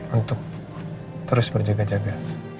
untuk terus berjaga jaga